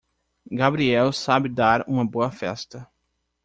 Gabriel sabe dar uma boa festa.